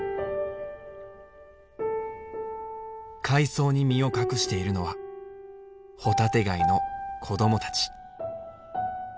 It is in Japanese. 海藻に身を隠しているのはホタテガイの子供たち。